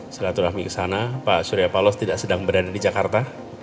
silaturahmi ke sana pak surya paloh tidak sedang berada di jakarta